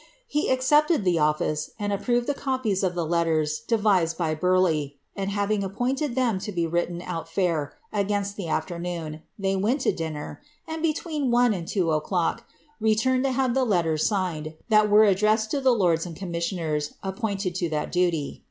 He accepted the office, and approved the copies of iht letters devised by Burleigh; and havini; appointed them lo be wriw^i out fiiir, against the afternoon, they went to dinner, and, between ™f and two o'clock, reiurned to have the letters signed, that were addresfiil BLIIABXTB. SfS ie lords aDd comrnissionerB, appointed to that doty.